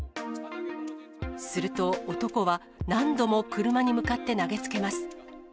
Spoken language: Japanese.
すると男は、何度も車に向かって投げつけます。